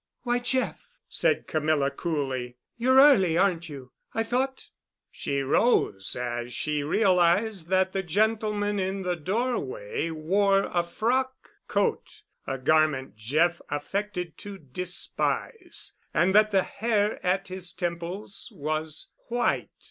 "Why, Jeff," said Camilla coolly, "you're early, aren't you? I thought——" She rose as she realized that the gentleman in the doorway wore a frock coat—a garment Jeff affected to despise—and that the hair at his temples was white.